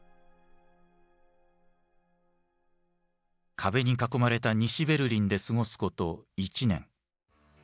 壁に囲まれた西ベルリンで過ごすこと１年。